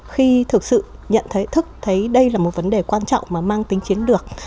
khi thực sự nhận thấy thức thấy đây là một vấn đề quan trọng mà mang tính chiến lược